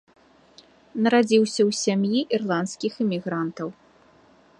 Нарадзіўся ў сям'і ірландскіх імігрантаў.